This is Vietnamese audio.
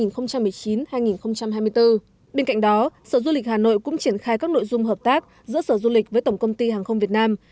bên cạnh đó sở du lịch hà nội cũng triển khai các nội dung hợp tác giữa sở du lịch với tổng công ty hàng không việt nam